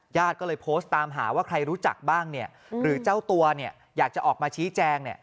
ญาติก็เลยโพสต์ตามหาว่าใครรู้จักบ้างเนี่ยหรือเจ้าตัวเนี่ยอยากจะออกมาชี้แจงเนี่ย